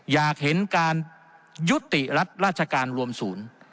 อยากเห็นการยุติรัฐราชการรวมศูนย์